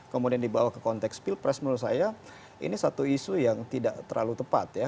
kemudian dibawa ke konteks pilpres menurut saya ini satu isu yang tidak terlalu tepat ya